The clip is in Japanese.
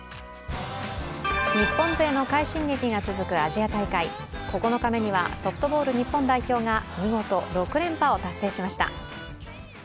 日本勢の快進撃が続くアジア大会９日目にはソフトボール日本代表が見事６連覇を達成しました。